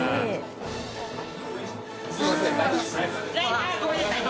薀ぅあっごめんなさい。